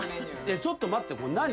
ちょっと待って何？